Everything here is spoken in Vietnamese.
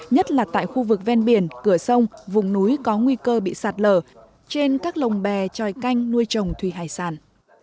nhất là tại khu vực ven biển cửa sông vùng núi có nguy cơ bị sạt lở trên các lồng bè tròi canh nuôi trồng thủy hải sản